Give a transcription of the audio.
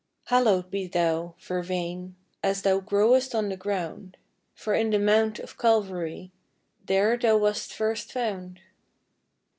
"Hallowed be thou, Vervain, As thou growest on the ground, For in the Mount of Calvary There thou wast first found."